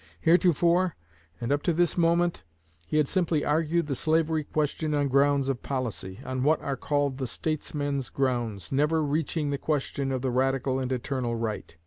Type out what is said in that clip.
Heretofore, and up to this moment, he had simply argued the slavery question on grounds of policy, on what are called the statesman's grounds, never reaching the question of the radical and eternal right.